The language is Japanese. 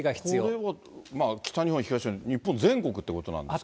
これは、北日本、東日本、日本全国ってことなんですけど。